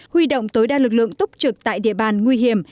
huy động tối đa lực lượng túc trực tại địa bàn nguy hiểm